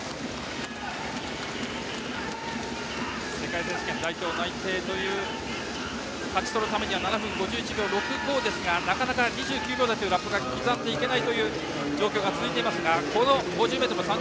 世界選手権代表内定を勝ち取るためには７分５１秒６５ですがなかなか２９秒台というラップを刻んでいけない状況が続いています。